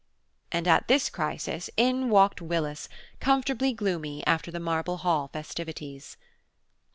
And at this crisis in walked Willis, comfortably gloomy, after the Marble Hall festivities.